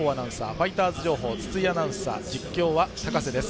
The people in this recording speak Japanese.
ファイターズ情報筒井アナウンサー実況は高瀬です。